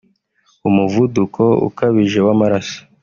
umuvuduko ukabije w’amaraso